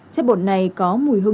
chất bột này có một